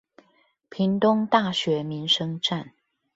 屏東大學民生站